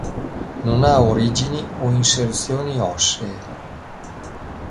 Non ha origini o inserzioni ossee.